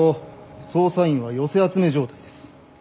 捜査員は寄せ集め状態です。